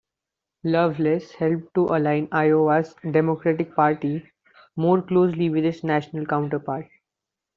Loveless helped to align Iowa's Democratic Party more closely with its national counterpart.